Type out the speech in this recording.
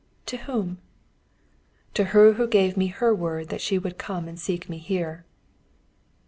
"To whom?" "To her who gave me her word that she would come and seek me here."